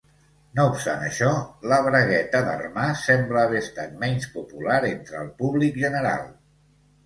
No obstant això, la bragueta d'armar sembla haver estat menys popular entre el públic general.